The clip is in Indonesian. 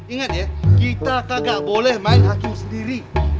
ingat ya kita kagak boleh main hakim sendiri